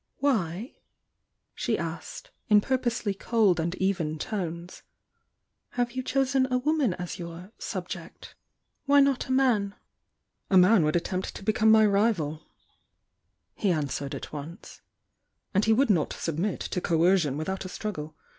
"Why," she asked, in purposely cold and even tones — "have you chosen a "woman as your 'sub ject'? Why not a man?" "A man would attempt to become my rival," he answered at once. "And he would not submit to coercion without a struggle.